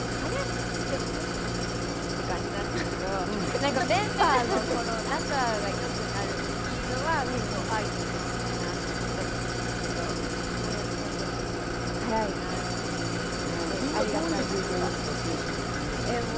１年が濃すぎて早くてもちょっと遅くてもっていう感じなんですけれどもメンバーの仲が良くなるスピードは１年遅いなと思ったりするんですけど、こう見ると早いなぁと思いますね。